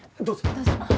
どうぞ。